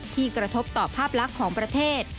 กระทบต่อภาพลักษณ์ของประเทศ